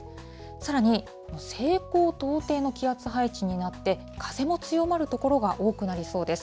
さらに、西高東低の気圧配置になって、風も強まる所が多くなりそうです。